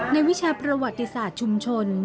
วิชาประวัติศาสตร์ชุมชน